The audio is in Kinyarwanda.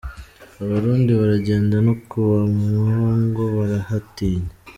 Abarundi baragenda no kwa Mpongo barahatinya.